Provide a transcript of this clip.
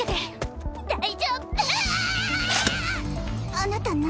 あなた何？